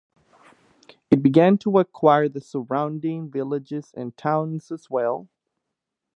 It began to acquire the surrounding villages and towns as well.